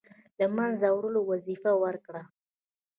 د له منځه وړلو وظیفه ورکړه.